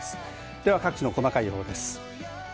では各地の細かい予報です。